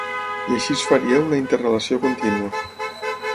I així es faria una interrelació contínua.